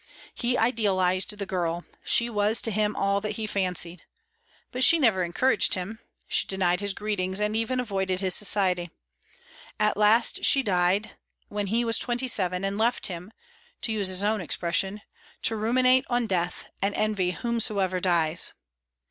He idealized the girl; she was to him all that he fancied. But she never encouraged him; she denied his greetings, and even avoided his society. At last she died, when he was twenty seven, and left him to use his own expression "to ruminate on death, and envy whomsoever dies."